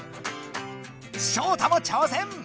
ショウタも挑戦！